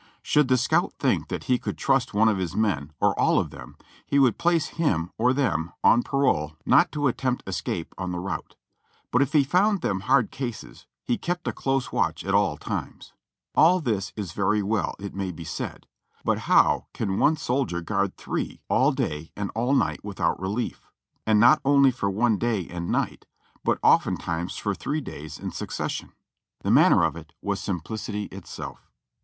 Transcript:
Should the scout think that he could trust one of his men or all of them, he would place him or them on parole not to attempt escape on the route ; but if he found them hard cases he kept a close watch at all times. All this is very well, it may be said ; but how can one soldier guard three all day and all night without relief; and not only for one day and night, but oftentimes for three days in succession? The manner of it was simplicity itself.